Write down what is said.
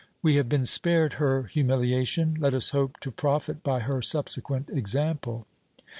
We have been spared her humiliation; let us hope to profit by her subsequent example.